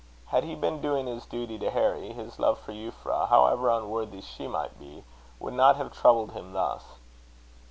Had he been doing his duty to Harry, his love for Euphra, however unworthy she might be, would not have troubled him thus.